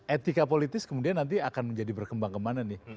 etika politis kemudian nanti akan menjadi berkembang kemana nih